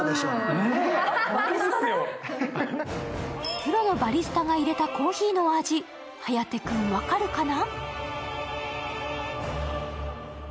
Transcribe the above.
プロのバリスタがいれたコーヒーの味、颯君、分かるかな？